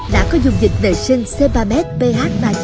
đã có dung dịch vệ sinh c ba meth ph ba tám